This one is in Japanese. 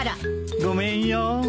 ごめんよ。